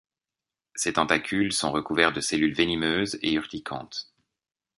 Ces tentacules sont recouverts de cellules venimeuses et urticantes.